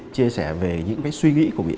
chia sẻ về những cái suy nghĩ của vị can